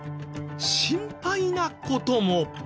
心配な事も。